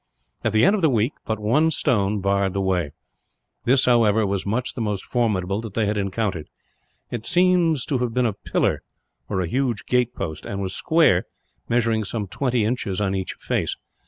At the end of the week, but one stone barred the way. This, however, was much the most formidable that they had encountered. It seemed to have been a pillar, or a huge gate post; and was square, measuring some twenty inches on each face.